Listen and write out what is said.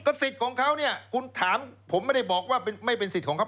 สิทธิ์ของเขาเนี่ยคุณถามผมไม่ได้บอกว่าไม่เป็นสิทธิ์ของเขา